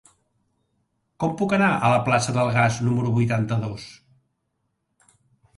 Com puc anar a la plaça del Gas número vuitanta-dos?